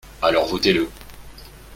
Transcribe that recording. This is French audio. Alors votez-le